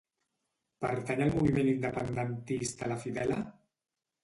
Pertany al moviment independentista la Fidela?